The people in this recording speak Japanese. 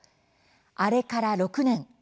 あれから６年。